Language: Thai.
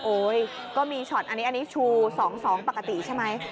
ก็มีช็อตอันนี้ชู๒๒ปกติใช่ไหม